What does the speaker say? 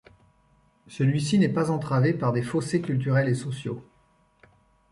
Celui-ci n'est pas entravé par des fossés culturels et sociaux.